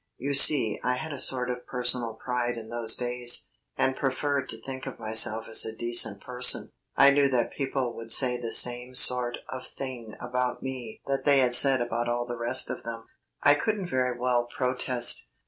You see I had a sort of personal pride in those days; and preferred to think of myself as a decent person. I knew that people would say the same sort of thing about me that they said about all the rest of them. I couldn't very well protest.